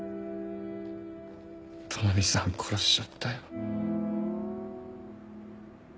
都波さん殺しちゃったよ。